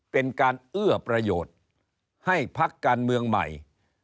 เป็นการเอื้อประโยชน์ให้พักการเมืองใหม่